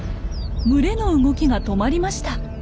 群れの動きが止まりました。